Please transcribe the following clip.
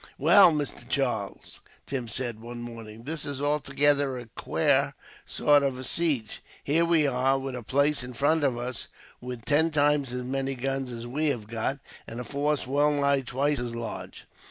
"Well, Mister Charles," Tim said, one morning, "this is altogether a quare sort of a siege. Here we are, with a place in front of us with ten times as many guns as we have got, and a force well nigh twice as large.